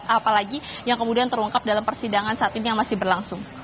apalagi yang kemudian terungkap dalam persidangan saat ini yang masih berlangsung